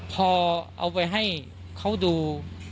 พอเอาไปให้เขาดู